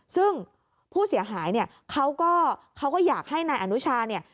ซึ่งผู้เสียหายเนี่ยเขาก็เขาก็อยากให้นายอนุชาเนี่ย